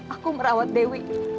aku merawat dewi